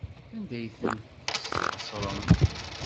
Anda ay ten-tesɣesrem?